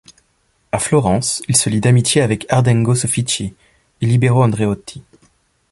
À Florence il se lie d'amitié avec Ardengo Soffici et Libero Andreotti.